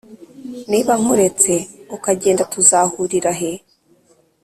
niba nkuretse ukagenda tuza hurirahe